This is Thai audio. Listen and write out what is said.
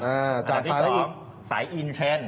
อันที่สองสายอินเทรนด์